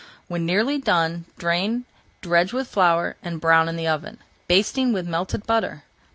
When nearly done drain, dredge with flour, and brown in the oven, basting with melted butter.